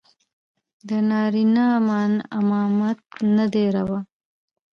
د نارينو امامت نه دى روا.